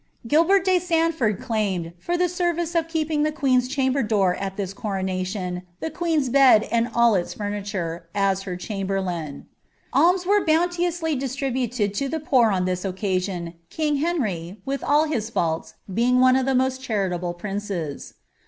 Gilbert de Saodford claimed, for the service of keeping the queen's chamber door at this coronation, the queen's bed and ail its furniture, as her chamberlain.' Alms were bounteously distributed to the poor on this occasion, king Henryf with all his faults, being one of the most charitable of princes.